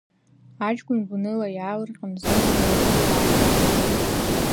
Аҷкәын гәаныла иаалырҟьан, зны-зынла ихы даазаӷьуан.